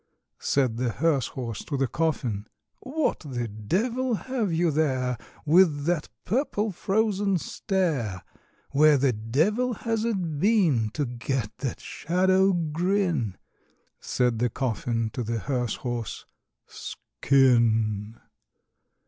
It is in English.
Said the hearse horse to the coffin, "What the devil have you there, With that purple frozen stare? Where the devil has it been To get that shadow grin?" Said the coffin to the hearse horse, "Skin!"